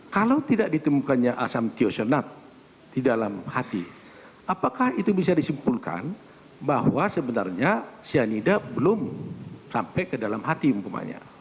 kalau tidak ditemukannya asam tiosonat di dalam hati apakah itu bisa disimpulkan bahwa sebenarnya cyanida belum sampai ke dalam hati umpamanya